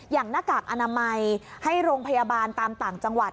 หน้ากากอนามัยให้โรงพยาบาลตามต่างจังหวัด